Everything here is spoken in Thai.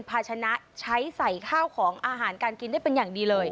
ภาชนะใช้ใส่ข้าวของอาหารการกินได้เป็นอย่างดีเลย